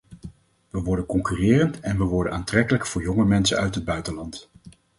We worden concurrerend en we worden aantrekkelijk voor jonge mensen uit het buitenland.